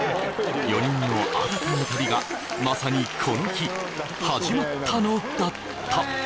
４人の新たな旅がまさにこの日始まったのだったじゃあね！